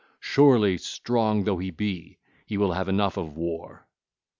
Surely, strong though he be, he shall have enough of war.